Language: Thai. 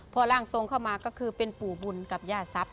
พอร่างทรงเข้ามาก็คือเป็นปู่บุญกับย่าทรัพย